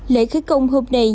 lễ khởi công hôm nay